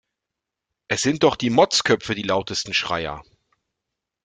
Es sind doch die Motzköpfe die lautesten Schreier.